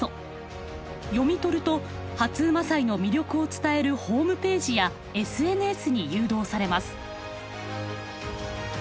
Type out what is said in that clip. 読み取ると初午祭の魅力を伝えるホームページやＳＮＳに誘導されます。